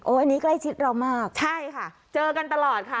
อันนี้ใกล้ชิดเรามากใช่ค่ะเจอกันตลอดค่ะ